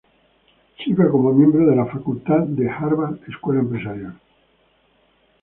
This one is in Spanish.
Sirva como miembro de la facultad de Harvard Escuela Empresarial.